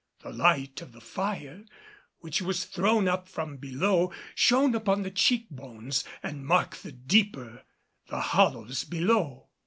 The light of the fire, which was thrown up from below, shone upon the cheek bones and marked the deeper the hollows below.